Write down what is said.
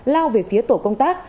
lao về phía tổ công tác